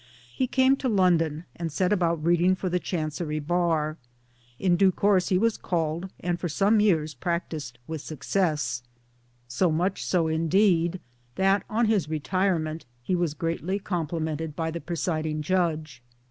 He came to London and set about reading for the Chancery Bar. In due course he was called and for some years practised with success so much so indeed MY FATHER : CHARLES CARPENTER. MY PARENTS 37 that on his retirement he was greatly complimented by the presiding judge.